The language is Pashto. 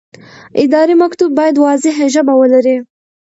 اداري مکتوب باید واضح ژبه ولري.